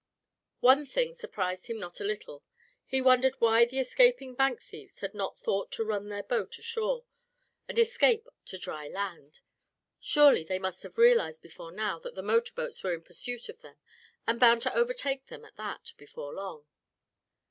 One thing surprised him not a little; he wondered why the escaping bank thieves had not thought to run their boat ashore, and escape to dry land. Surely they must have realized before now that the motor boats were in pursuit of them, and bound to overtake them at that, before long.